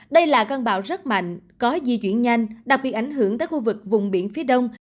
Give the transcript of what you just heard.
đây là cơn bão rất mạnh có di chuyển nhanh đặc biệt ảnh hưởng tới khu vực vùng biển phía đông